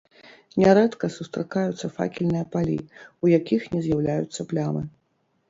Нярэдка сустракаюцца факельныя палі, у якіх не з'яўляюцца плямы.